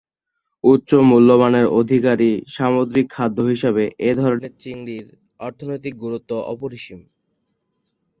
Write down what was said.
উচ্চ মূল্যমানের অধিকারী সামুদ্রিক খাদ্য হিসেবে এ ধরনের চিংড়ির অর্থনৈতিক গুরুত্ব অপরিসীম।